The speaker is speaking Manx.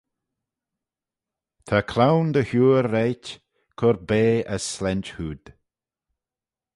Ta cloan dty huyr reiht cur bea as slaynt hood.